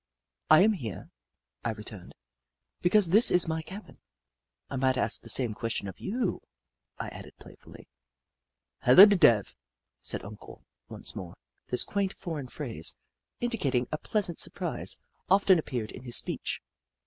" I am here," I returned, " because this is my cabin. I might ask the same question of you," I added, playfully. " Hella da dev !" said Uncle once more. This quaint, foreign phrase, indicating a pleas ant surprise, often appeared in his speech.